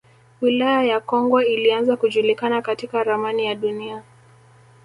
Wilaya ya Kongwa ilianza kujulikana katika ramani ya Dunia